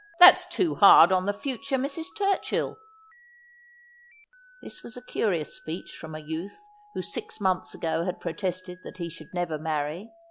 That's too hard on the future Mrs. TurchilL' This was a curious speech from a youth who six months ago had protested that he should never marry.